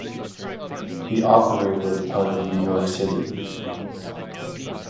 He operated out of New York City.